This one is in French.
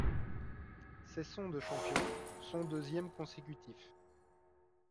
C’est son de champion, son deuxième consécutif.